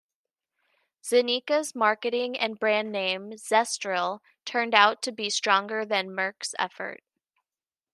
Zeneca's marketing and brand name, "Zestril", turned out to be stronger than Merck's effort.